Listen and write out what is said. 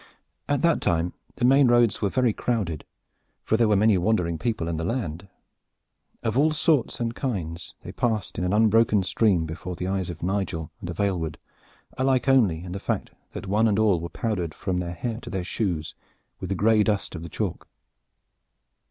At that time the main roads were very crowded, for there were many wandering people in the land. Of all sorts and kinds, they passed in an unbroken stream before the eyes of Nigel and of Aylward, alike only in the fact that one and all were powdered from their hair to their shoes with the gray dust of the chalk.